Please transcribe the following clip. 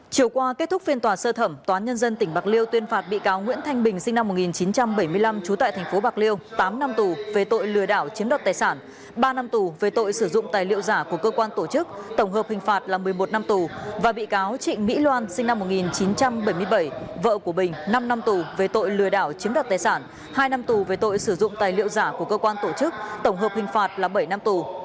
chiều qua kết thúc phiên tòa sơ thẩm toán nhân dân tỉnh bạc liêu tuyên phạt bị cáo nguyễn thanh bình sinh năm một nghìn chín trăm bảy mươi năm trú tại thành phố bạc liêu tám năm tù về tội lừa đảo chiếm đạt tài sản ba năm tù về tội sử dụng tài liệu giả của cơ quan tổ chức tổng hợp hình phạt là một mươi một năm tù và bị cáo trịnh mỹ loan sinh năm một nghìn chín trăm bảy mươi bảy vợ của bình năm năm tù về tội lừa đảo chiếm đạt tài sản hai năm tù về tội sử dụng tài liệu giả của cơ quan tổ chức tổng hợp hình phạt là bảy năm tù